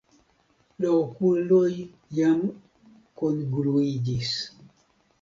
La okuloj jam kungluiĝis.